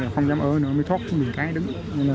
không dám ở nữa mới thoát mình trái đứng